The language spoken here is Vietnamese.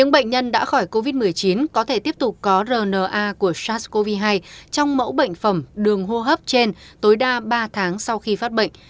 bốn bệnh nhân đã khỏi covid một mươi chín có thể tiếp tục có rna của sars cov hai trong mẫu bệnh phẩm đường hô hấp trên tối đa ba tháng sau khi phát bệnh